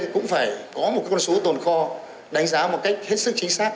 cũng phải có một con số tồn kho đánh giá một cách hết sức chính xác